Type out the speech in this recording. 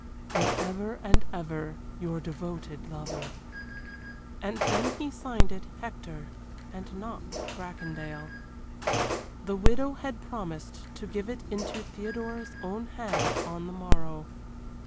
For ever and ever your devoted lover." And then he signed it "Hector," and not "Bracondale." The widow had promised to give it into Theodora's own hand on the morrow.